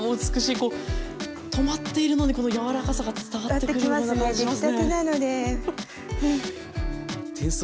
こう止まっているのに柔らかさが伝わってくるような感じしますね。